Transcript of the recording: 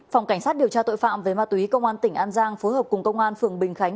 phòng cảnh sát điều tra tội phạm về ma túy công an tỉnh an giang phối hợp cùng công an phường bình khánh